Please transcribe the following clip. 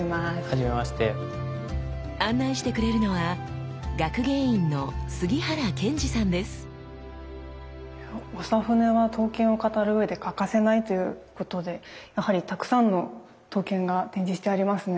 案内してくれるのは長船は刀剣を語るうえで欠かせないということでやはりたくさんの刀剣が展示してありますね。